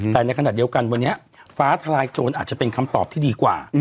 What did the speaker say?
แต่ในขณะเดียวกันวันนี้ฟ้าทลายโจรอาจจะเป็นคำตอบที่ดีกว่า